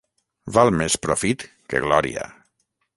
Val més profit que glòria.